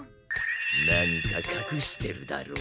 何かかくしてるだろう？